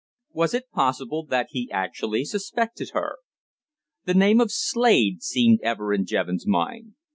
Was it possible that he actually suspected her? The name of Slade seemed ever in Jevons' mind.